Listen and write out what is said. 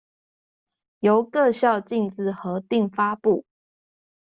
由各校逕自核定發布